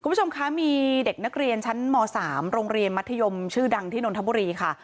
คุณผู้ชมคะมีเด็กนักเรียนชั้นม๓โรงเรียนมัธยมชื่อดังที่นนทบุรีค่ะ